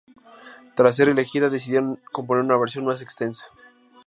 Tras ser elegida, decidieron componer una versión más extensa.